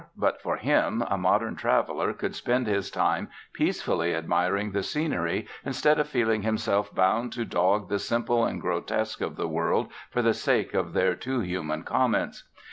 But for him, a modern traveller could spend his time peacefully admiring the scenery instead of feeling himself bound to dog the simple and grotesque of the world for the sake of their too human comments.